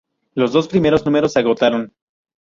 Los dos primeros números se agotaron.